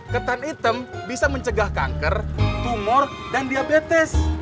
ketan hitam bisa mencegah kanker tumor dan diabetes